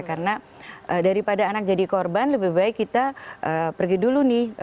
karena daripada anak jadi korban lebih baik kita pergi dulu nih